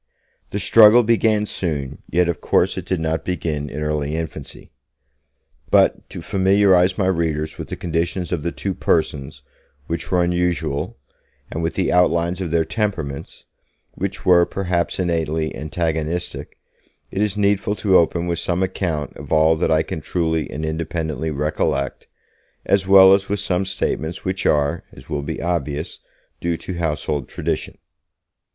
The struggle began soon, yet of course it did not begin in early infancy. But to familiarize my readers with the conditions of the two persons (which were unusual) and with the outlines of their temperaments (which were, perhaps innately, antagonistic), it is needful to open with some account of all that I can truly and independently recollect, as well as with some statements which are, as will be obvious, due to household tradition.